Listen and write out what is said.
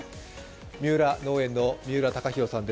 三浦農園の三浦隆弘さんです。